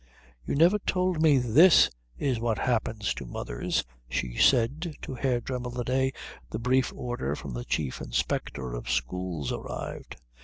"You never told me this is what happens to mothers," she said to Herr Dremmel the day the brief order from the Chief Inspector of Schools arrived.